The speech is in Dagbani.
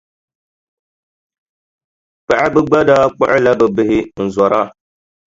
Paɣiba gba daa kpuɣila bɛ bihi n-zɔra.